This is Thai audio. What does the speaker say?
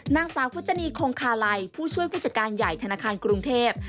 นางสาวพจนีคงคาลัยผู้ช่วยผู้จัดการใหญ่ธนาคารกรุงเทพ